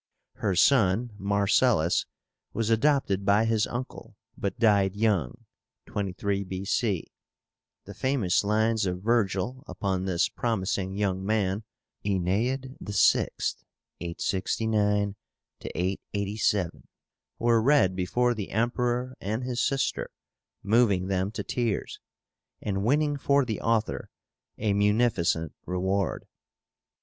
Her son MARCELLUS was adopted by his uncle, but died young (23 B. C.). The famous lines of Virgil upon this promising young man (Aeneid VI. 869 887) were read before the Emperor and his sister, moving them to tears, and winning for the author a munificent reward.